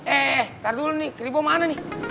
eh ntar dulu nih keribo mana nih